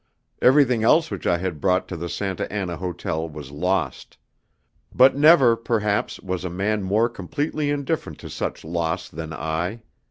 Everything else which I had brought to the Santa Anna Hotel was lost; but never, perhaps, was a man more completely indifferent to such loss than I.